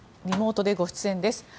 リモートでご出演です。